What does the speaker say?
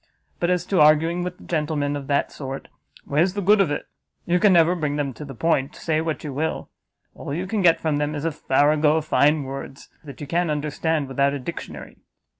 But as to arguing with gentlemen of that sort, where's the good of it? You can never bring them to the point, say what you will; all you can get from them, is a farrago of fine words, that you can't understand without a dictionary."